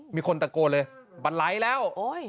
มีคนตะโกนเลยบันไลแล้ว